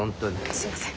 すいません。